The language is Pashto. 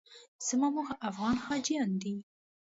زما موخه افغان حاجیان دي.